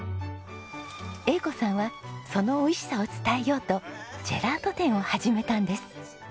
英子さんはその美味しさを伝えようとジェラート店を始めたんです。